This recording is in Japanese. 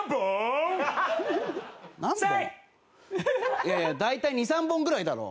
いやいや大体２３本ぐらいだろ。